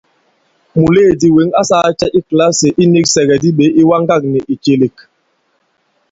Mùleèdì wěŋ a sāā cɛ i kìlasì iniksɛ̀gɛ̀di ɓě iwaŋgâk nì ìcèlèk ?